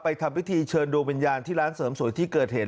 ทำพิธีเชิญดวงวิญญาณที่ร้านเสริมสวยที่เกิดเหตุ